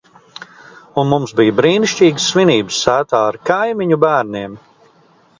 Un mums bija brīnišķīgas svinības sētā ar kaimiņu bērniem.